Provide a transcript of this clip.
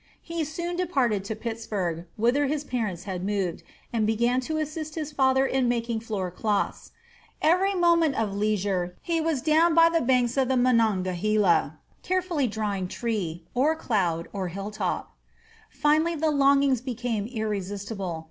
He soon departed to Pittsburgh, whither his parents had moved, and began to assist his father in making floor cloths. Every moment of leisure he was down by the banks of the Monongahela, carefully drawing tree, or cloud, or hill top. Finally the old longing became irresistible.